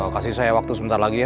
kasih saya waktu sebentar lagi ya